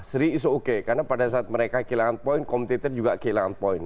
seri is a okay karena pada saat mereka kehilangan poin kompetitor juga kehilangan poin